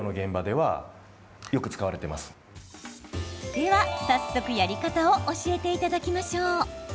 では、早速やり方を教えていただきましょう。